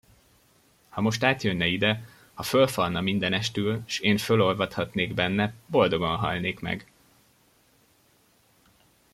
Ha most átjönne ide, ha fölfalna mindenestül, s én fölolvadhatnék benne, boldogan halnék meg!